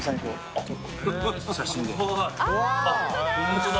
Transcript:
本当だ！